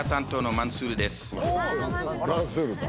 マンスールだ。